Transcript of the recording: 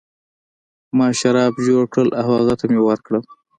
ما شراب جوړ کړل او هغه ته مې ورکړل.